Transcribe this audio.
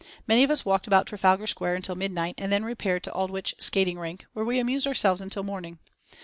Many of us walked about Trafalgar Square until midnight and then repaired to Aldwich skating rink, where we amused ourselves until morning.